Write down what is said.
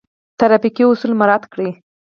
ټرافیکي اصول مراعات کړئ